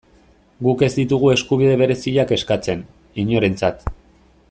Guk ez ditugu eskubide bereziak eskatzen, inorentzat.